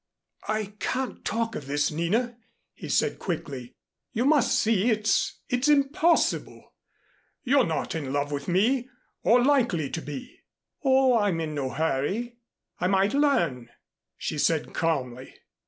"I can't talk of this, Nina," he said quickly. "You must see it's it's impossible. You're not in love with me or likely to be " "Oh, I'm in no hurry. I might learn," she said calmly.